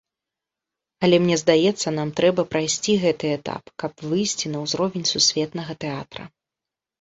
Але мне здаецца, нам трэба прайсці гэты этап, каб выйсці на ўзровень сусветнага тэатра.